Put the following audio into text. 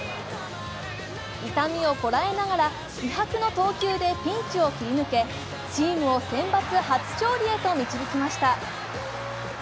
痛みをこらえながら気迫の投球でピンチを切り抜け、チームをセンバツ初勝利へと導きました。